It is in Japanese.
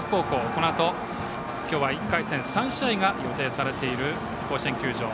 このあと、今日は１回戦３試合が予定されている甲子園球場。